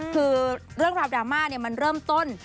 คือเรื่องราวดราม่ามันเริ่มต้น